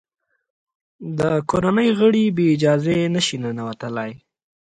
د کورنۍ غړي بې اجازې نه شي ننوتلای.